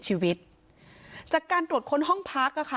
จากการตรวจค้นห้องพัก